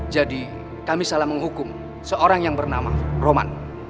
jadi kami salah menghukum seorang yang bernama roman